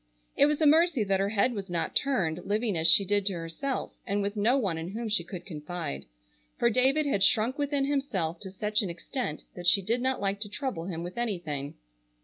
It was a mercy that her head was not turned, living as she did to herself, and with no one in whom she could confide. For David had shrunk within himself to such an extent that she did not like to trouble him with anything.